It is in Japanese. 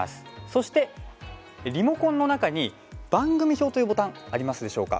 そしてリモコンの中に番組表というボタンありますでしょうか。